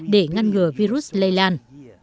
để ngăn ngừa virus lây lan